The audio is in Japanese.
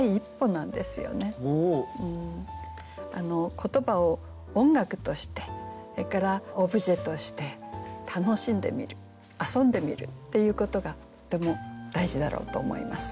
言葉を音楽としてそれからオブジェとして楽しんでみる遊んでみるっていうことがとても大事だろうと思います。